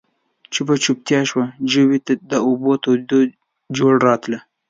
چوپه چوپتيا شوه، جووې ته د اوبو د تويېدو جورړا راتله.